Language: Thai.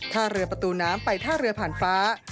ท่าเรือประตูน้ำไปท่าเรือผ่านฟ้า